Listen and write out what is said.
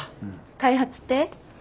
開発って？